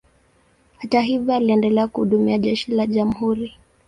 Hata hivyo, aliendelea kuhudumia jeshi la jamhuri.